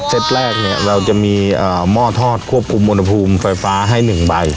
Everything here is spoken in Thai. เซตแรกเราจะมีหม้อทอดควบคุมมนภูมิไฟฟ้าให้๑ใบ